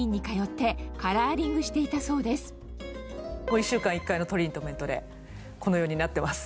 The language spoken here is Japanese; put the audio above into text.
１週間に１回のトリートメントでこのようになってます。